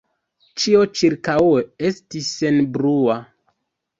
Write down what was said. Ĉio ĉirkaŭe estis senbrua.